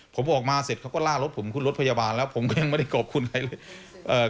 ผมออกมาเสร็จเขาก็ล่ารถผมขึ้นรถพยาบาลแล้วผมก็ยังไม่ได้ขอบคุณใครเลย